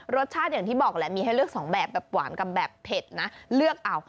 รสชาติอย่างที่บอกแหละมีให้เลือก๒แบบแบบหวานกับแบบเผ็ดนะ